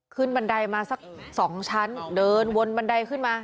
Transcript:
บันไดมาสัก๒ชั้นเดินวนบันไดขึ้นมา